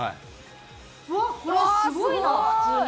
うわっこれすごいな普通に。